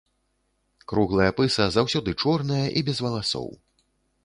Круглая пыса заўсёды чорная і без валасоў.